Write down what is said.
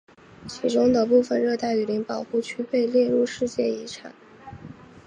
其中的部分热带雨林保护区被列入世界遗产。